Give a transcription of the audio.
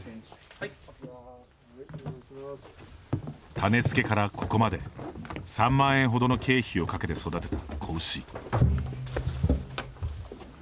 種付けからここまで３万円ほどの経費をかけて育てた子牛。